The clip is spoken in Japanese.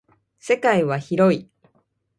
世界は広い。